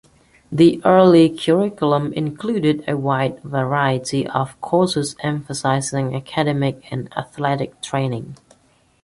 The early curriculum included a wide variety of courses emphasizing academic and athletic training.